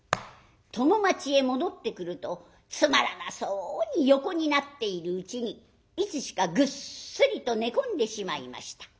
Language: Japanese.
供待ちへ戻ってくるとつまらなそうに横になっているうちにいつしかぐっすりと寝込んでしまいました。